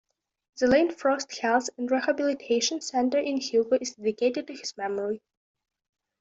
The Lane Frost Health and Rehabilitation Center in Hugo is dedicated to his memory.